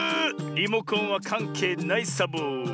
リモコンはかんけいないサボ。